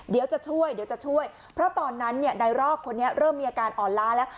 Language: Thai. เดี๋ยวจะช่วยเดี๋ยวจะช่วยเพราะตอนนั้นเนี่ยนายรอกคนนี้เริ่มมีอาการอ่อนล้าแล้ว